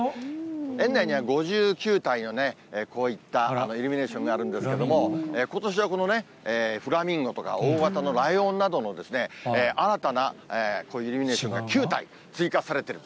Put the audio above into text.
園内には５９体のこういったイルミネーションがあるんですけれども、ことしはこのね、フラミンゴとか大型のライオンなどの新たなこういうイルミネーションが９体追加されてる。